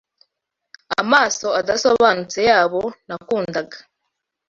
Amaso adasobanutse y'abo nakundaga